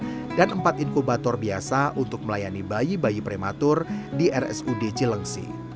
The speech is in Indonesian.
alat bantu pernafasan adalah inkubator biasa untuk melayani bayi bayi prematur di rsud cilengsi